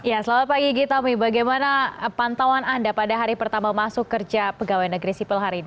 ya selamat pagi gitami bagaimana pantauan anda pada hari pertama masuk kerja pegawai negeri sipil hari ini